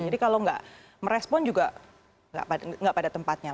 jadi kalau nggak merespon juga nggak pada tempatnya